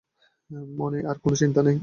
মনে আর কোনো চিন্তা ছিল না।